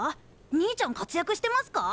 兄ちゃん活躍してますか？